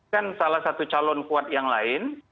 kan salah satu calon kuat yang lain